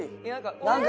何か。